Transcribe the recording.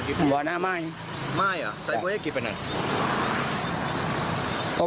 ตอนนั้นไม่เห็น